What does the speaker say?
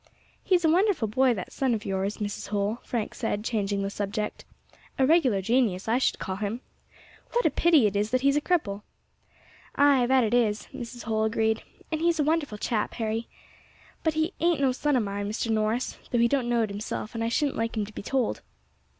"He is a wonderful boy that son of yours, Mrs. Holl," Frank said, changing the subject; "a regular genius I should call him. What a pity it is that he is a cripple!" "Ay, that it is," Mrs. Holl agreed, "and he is a wonderful chap, is Harry. But he ain't no son of mine, Mr. Norris, though he don't know it himself, and I shouldn't like him to be told."